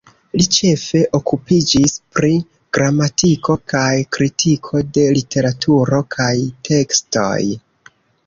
Li ĉefe okupiĝis pri gramatiko kaj kritiko de literaturo kaj tekstoj.